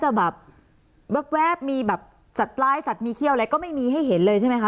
จะแบบแว๊บมีแบบสัตว์ร้ายสัตว์มีเขี้ยวอะไรก็ไม่มีให้เห็นเลยใช่ไหมคะ